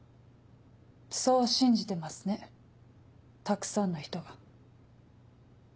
そう信じてますねたくさんの人が。